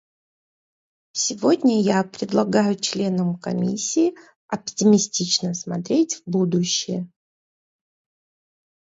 Сегодня я предлагаю членам Комиссии оптимистично смотреть в будущее.